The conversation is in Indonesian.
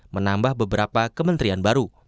menambah beberapa kementerian baru